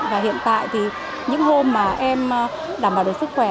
và hiện tại thì những hôm mà em đảm bảo được sức khỏe